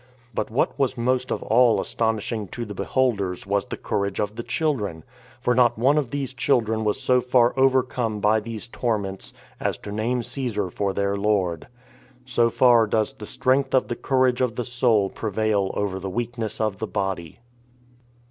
But what was most of all astonishing to the beholders was the courage of the children; for not one of these children was so far overcome by these torments, as to name Caesar for their lord. So far does the strength of the courage [of the soul] prevail over the weakness of the body.